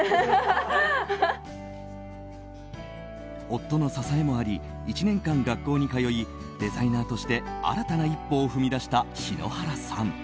夫の支えもあり１年間学校に通いデザイナーとして新たな一歩を踏み出した篠原さん。